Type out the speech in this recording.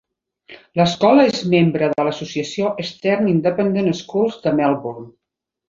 L'escola és membre de l'associació Eastern Independent Schools de Melbourne.